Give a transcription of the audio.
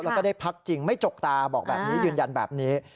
แล้วก็ได้พักจริงไม่จกตาบอกแบบนี้ยืนยันแบบนี้